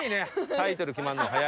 タイトル決まるの早い。